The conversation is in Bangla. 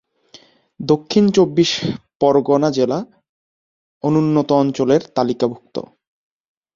দক্ষিণ চব্বিশ পরগনা জেলা অনুন্নত অঞ্চলের তালিকাভুক্ত।